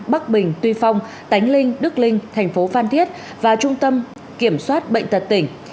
bắc bình tuy phong tánh linh đức linh tp phan thiết và trung tâm kiểm soát bệnh tật tỉnh